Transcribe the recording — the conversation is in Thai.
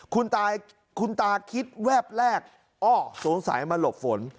คุณตาคิดแวบแรกอ้อสงสัยมาหลบฝน